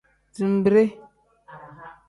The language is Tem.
Zinbiri.